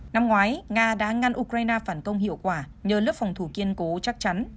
năm ngoái nga đã ngăn ukraine phản công hiệu quả nhờ lớp phòng thủ kiên cố chắc chắn